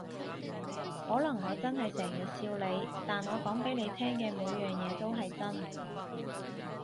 可能我真係成日笑你，但我講畀你聽嘅每樣嘢都係真